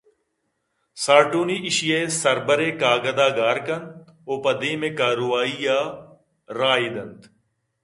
سارڈونی ایشیءِ سر برے کاگد ءَ گار کنت ءُپہ دیم ءِ کاروئی ءَ راہ ئِے دنت